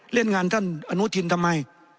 เล่นงานท่านอนุทินทำไม